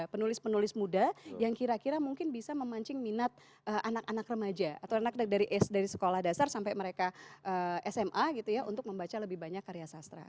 penulis penulis muda yang kira kira mungkin bisa memancing minat anak anak remaja atau anak dari sekolah dasar sampai mereka sma gitu ya untuk membaca lebih banyak karya sastra